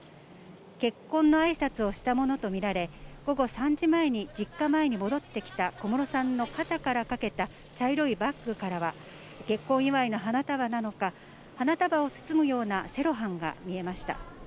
結婚のあいさつをしたものと見られ、午後３時前に実家前に戻ってきた小室さんの肩からかけた茶色いバッグからは、結婚祝いの花束なのか、花束を包むようなセロハンが見えました。